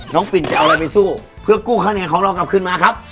ปินจะเอาอะไรไปสู้เพื่อกู้คะแนนของเรากลับขึ้นมาครับ